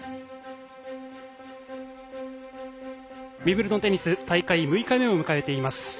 ウィンブルドンテニス大会６日目を迎えています。